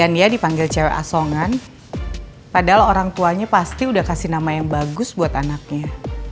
dan dia dipanggil cewek asongan padahal orang tuanya pasti udah kasih nama yang bagus buat anaknya